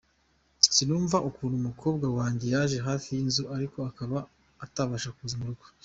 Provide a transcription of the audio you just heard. "Sinumva ukuntu umukobwa wanjye yaje hafi y'inzu ariko akaba atabasha kuza mu rugo.